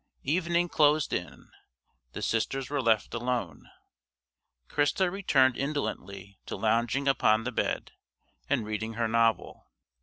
Evening closed in; the sisters were left alone. Christa returned indolently to lounging upon the bed and reading her novel.